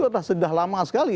draftnya itu sudah lama sekali